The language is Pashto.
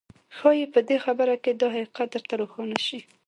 ښايي په دې خبره کې دا حقيقت درته روښانه شي.